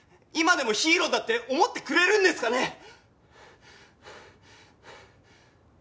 今でもヒーローだって思ってくれるんですかね？